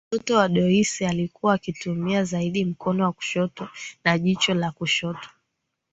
Mtoto wa Daisy alikuwa akitumia zaidi mkono wa kushoto na jicho la kushoto